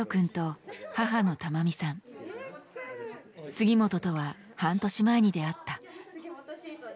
杉本とは半年前に出会った。